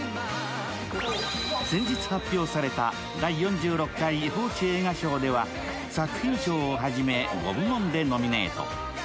先日発表された第４６回報知映画賞では作品賞をはじめ、５部門でノミネート。